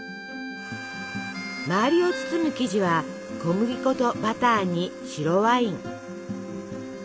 周りを包む生地は小麦粉とバターに白ワイン。